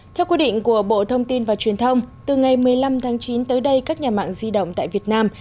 theo quy định của bộ thông tin và truyền thông từ ngày một mươi năm tháng chín tới đây các nhà mạng di động tại việt nam